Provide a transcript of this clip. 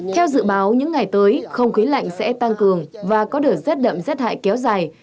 theo dự báo những ngày tới không khí lạnh sẽ tăng cường và có đợt rét đậm rét hại kéo dài